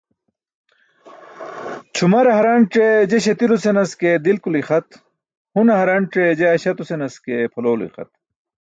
Ćʰumare haranc̣e je śatilo senas ke dilkulo ixat, hune haranc̣e je aśaato senas ke pʰalowlo ixat.